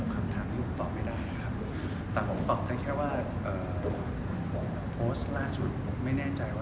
โพสต์สักเดียวก็ลบอะไรอย่างนี้นะครับ